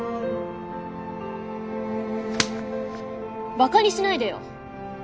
バカにしないでよ！